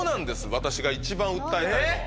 私が一番訴えたいのは。